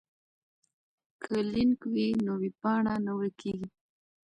که لینک وي نو ویبپاڼه نه ورکیږي.